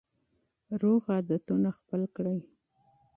سالم عادتونه خپل کړئ.